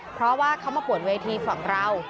เพราะว่าเขามาปวดเวทีฝั่งเรา